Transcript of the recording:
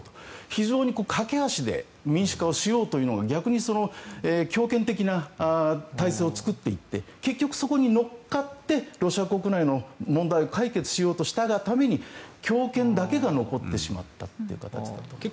非常に駆け足で民主化をしようというのが逆に強権的な体制を作っていって結局、そこに乗っかってロシア国内の問題を解決しようとしたがために強権だけが残ってしまったという形だと思います。